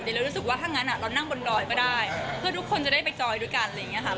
เดี๋ยวเรารู้สึกว่าถ้างั้นเรานั่งบนดอยก็ได้เพื่อทุกคนจะได้ไปจอยด้วยกันอะไรอย่างนี้ค่ะ